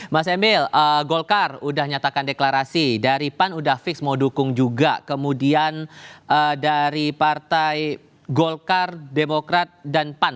mas emil golkar udah nyatakan deklarasi dari pan udah fix mau dukung juga kemudian dari partai golkar demokrat dan pan